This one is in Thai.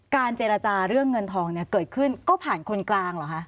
เจรจาเรื่องเงินทองเนี่ยเกิดขึ้นก็ผ่านคนกลางเหรอคะ